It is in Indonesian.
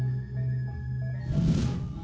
tapi dia telah menolongmu